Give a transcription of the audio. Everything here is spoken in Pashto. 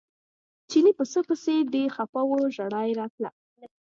چیني پسه پسې ډېر خپه و ژړا یې راتله.